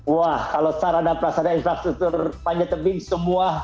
wah kalau sarana prasarana infrastruktur panjatabim semua